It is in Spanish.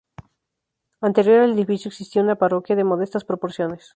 Anterior al edificio, existía una parroquia de modestas proporciones.